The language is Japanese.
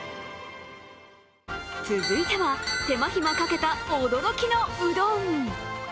続いては、手間暇かけた驚きのうどん。